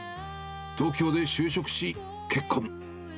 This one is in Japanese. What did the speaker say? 東京で就職し、結婚。